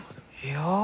いや。